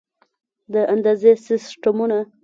د اندازې سیسټمونه